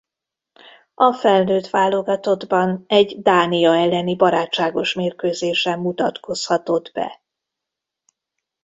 A felnőtt válogatottban egy Dánia elleni barátságos mérkőzésen mutatkozhatott be.